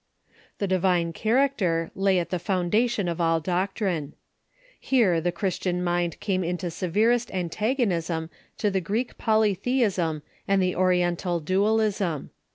The divine character lay at the foundation of all doctrine. 64 THE EARLY CHURCH Here the Christian mind came into severest antagonism to the Greek polytheism and the Oriental dualism.